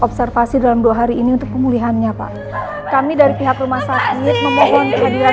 observasi dalam dua hari ini untuk pemulihannya pak kami dari pihak rumah sakit memohon kehadiran